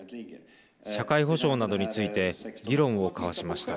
社会保障などについて議論を交わしました。